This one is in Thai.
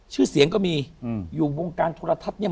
ชื่อเสียงก็มีอยู่วงการโทรทัศน์เนี่ย